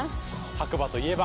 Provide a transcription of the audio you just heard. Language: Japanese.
白馬といえば。